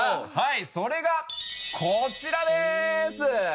それがこちらでーす！